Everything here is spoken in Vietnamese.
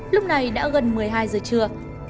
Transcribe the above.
lúc này đã gần một mươi hai giờ trưa